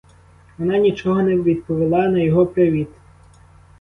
Вона нічого не відповіла на його привіт.